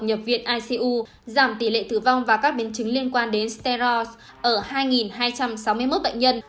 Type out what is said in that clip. nhập viện icu giảm tỷ lệ tử vong và các biến chứng liên quan đến styre ở hai hai trăm sáu mươi một bệnh nhân